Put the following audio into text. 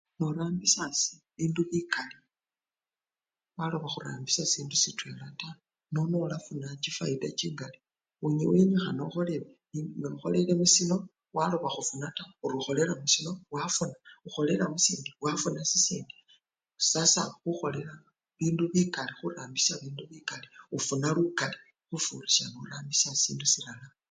Norambisha bindu bikali waloba khurambisha sindu sitwela taa, nono olafuna chifayida chingali newenyikhana nokholele musino waloba khufuna taa ori okholela musino wafuna olukholela musindi wafuna sisindi sasa khukholela mubindu bikali oba khurambisha bibindu bikali ofuna lukali khufurisha no rambisha sindu silala.